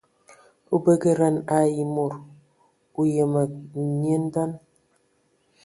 O bagǝdan ai mod, o yəməŋ nye ndan.